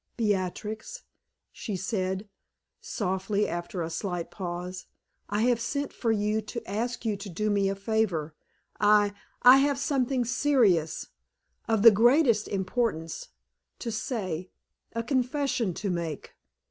"Beatrix," she said, softly, after a slight pause, "I have sent for you to ask you to do me a favor. I I have something serious of the greatest importance to say, a confession to make.